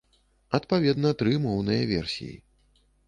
Адпаведна тры моўныя версіі.